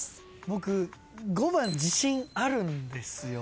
僕５番自信あるんですよ。